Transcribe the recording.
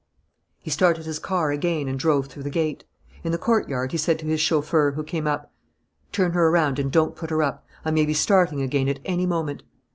He started his car again and drove through the gate. In the courtyard he said to his chauffeur, who came up: "Turn her around and don't put her up. I may be starting again at any moment."